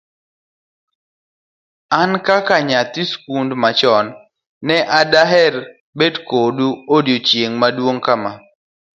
an kaka nyadhi skundni machon ne daher bet kodu e odiochieng' maduong' kama